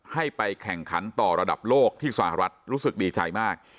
ให้ไปแข่งขันต่อระดับโลกที่สหรัฐรู้สึกดีใจมาก